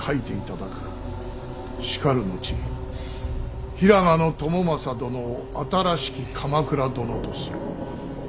しかる後平賀朝雅殿を新しき鎌倉殿とする。